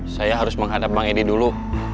saya harus menghadap bang edi dulu